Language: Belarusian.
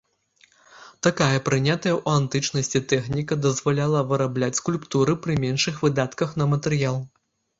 Такая прынятая ў антычнасці тэхніка дазваляла вырабляць скульптуры пры меншых выдатках на матэрыял.